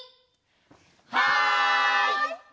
はい！